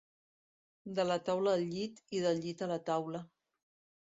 De la taula al llit i del llit a la taula.